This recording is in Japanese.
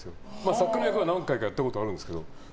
作家の役は何回かやったことあるんですけど。